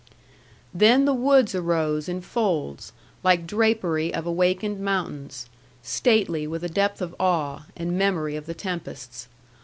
Then the woods arose in folds, like drapery of awakened mountains, stately with a depth of awe, and memory of the tempests.